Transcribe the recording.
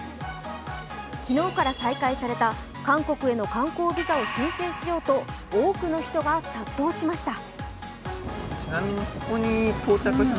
昨日から再開された韓国への観光ビザを申請しようと多くの人が殺到しました。